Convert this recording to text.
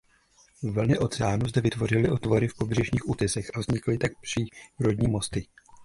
Vlny oceánu zde vytvořily otvory v pobřežních útesech a vznikly tak přírodní mosty.